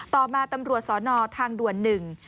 ต่อมาตำรวจสอนอทางด่วนหนึ่ง